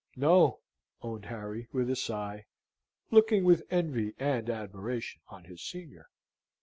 "No," owned Harry, with a sigh, looking with envy and admiration on his senior.